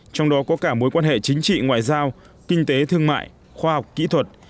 trong đó có cả mối quan hệ chính trị ngoại giao kinh tế thương mại khoa học kỹ thuật